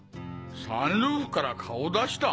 サンルーフから顔を出した？